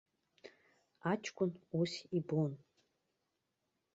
Аҷкәын ус ибон.